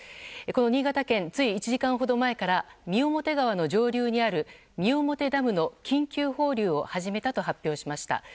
この新潟県つい１時間ほど前から三面川の上流にある三面ダムの緊急放流を始めたと発表しました。